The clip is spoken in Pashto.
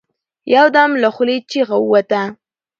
يو دم يې له خولې چيغه ووته.